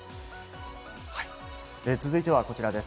続いてはこちらです。